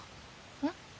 えっ？